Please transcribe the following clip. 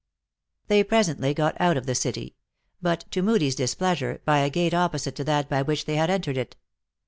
They presently got out of the city ; but, to Moodie s displeasure, by a gate opposite to that by which they had entered it.